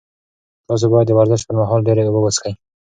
تاسي باید د ورزش پر مهال ډېرې اوبه وڅښئ.